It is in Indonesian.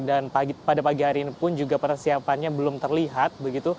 dan pada pagi hari ini pun juga persiapannya belum terlihat